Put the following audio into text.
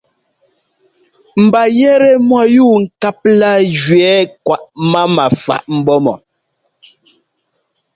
Mba yɛtɛ mɔyúubŋkáp lá gẅɛɛ kwaꞌ mama faꞌ mbɔ̌ mɔ.